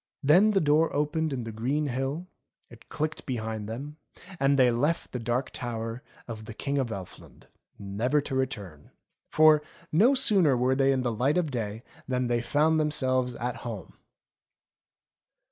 Then the door opened in the green hill, it clicked behind them, and they left the Dark Tower of the King of Elfland never to return. For, no sooner were they in the light of day, than they found themselves at home.